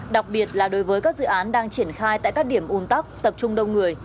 đặc biệt là đối với các dự án đang triển khai tại các điểm ùn tắc tập trung đông người